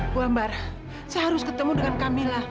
bu ambar saya harus ketemu dengan kamila